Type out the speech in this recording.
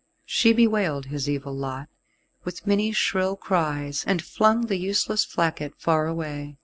She bewailed his evil lot, with many shrill cries, and flung the useless flacket far away.